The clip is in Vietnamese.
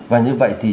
và như vậy thì